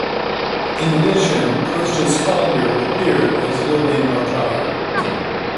In addition, Constance Collier appeared as Lily Mortar.